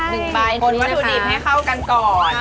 วนวัตถุดิบให้เข้ากันก่อน